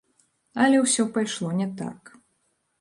Але ўсё пайшло не так.